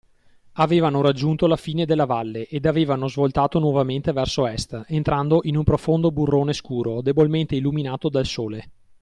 Avevano raggiunto la fine della valle ed avevano svoltato nuovamente verso Est, entrando in un profondo burrone scuro, debolmente illuminato dal sole.